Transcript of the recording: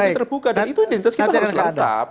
itu terbuka dan itu identitas kita harus tetap